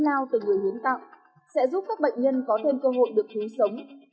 hiến máu từ người huyến tạo sẽ giúp các bệnh nhân có thêm cơ hội được cứu sống